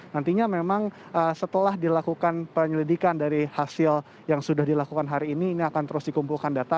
nantinya memang setelah dilakukan penyelidikan dari hasil yang sudah dilakukan hari ini ini akan terus dikumpulkan data